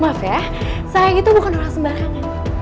maaf ya sayang itu bukan orang sembarangan